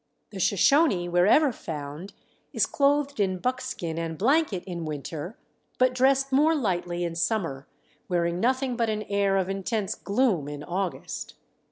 The Shoshone, wherever found, is clothed in buckskin and blanket in winter, but dressed more lightly in summer, wearing nothing but an air of intense gloom in August.